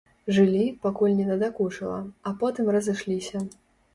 Жылі, пакуль не надакучыла, а потым разышліся.